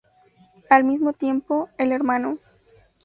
Al mismo tiempo, el Hno.